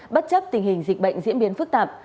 bất chấp tình hình dịch bệnh diễn biến phức tạp